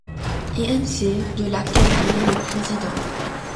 Inc. de laquelle il est le président.